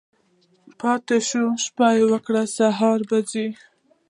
پاتی شه، شپه وکړه ، سهار به ځی.